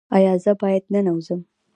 ایا زه باید ننوځم؟